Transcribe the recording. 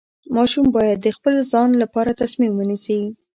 ماشوم باید د خپل ځان لپاره تصمیم ونیسي.